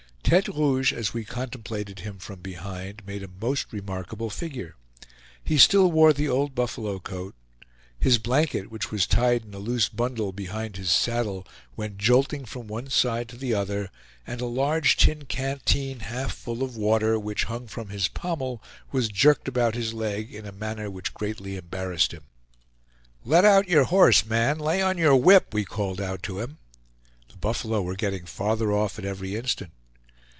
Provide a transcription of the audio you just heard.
Tete Rouge, as we contemplated him from behind; made a most remarkable figure. He still wore the old buffalo coat; his blanket, which was tied in a loose bundle behind his saddle, went jolting from one side to the other, and a large tin canteen half full of water, which hung from his pommel, was jerked about his leg in a manner which greatly embarrassed him. "Let out your horse, man; lay on your whip!" we called out to him. The buffalo were getting farther off at every instant.